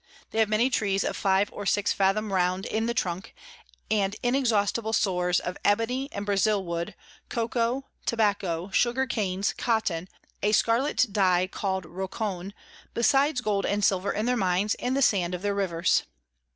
They have many Trees of five or six fathom round in the Trunk, and inexhaustible Stores of Ebony and Brazile Wood, Cocoa, Tobacco, Sugar Canes, Cotton, a Scarlet Dye call'd Rocon, besides Gold and Silver in their Mines and the Sand of their Rivers.